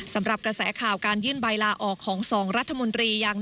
สำหรับกระแสข่าวการยื่นใบลาออกของ๒รัฐมนตรียัง